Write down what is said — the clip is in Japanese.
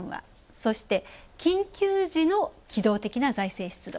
そして緊急時の機動的な財政出動。